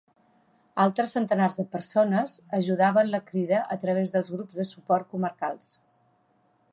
Altres centenars de persones ajudaven la Crida a través de grups de suport comarcals.